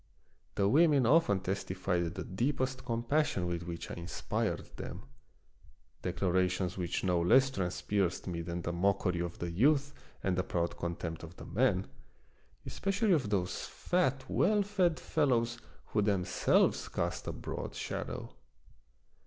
The women often testified the deepest compassion with which I inspired them, declarations which no less trans pierced me than the mockery of the youth and the proud contempt of the men, especially of of Peter SchlemihL 21 those fat, well fed fellows who themselves cast a broad shadow.